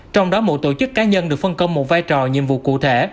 trong đó một tổ chức cá nhân được phân công một vai trò nhiệm vụ cụ thể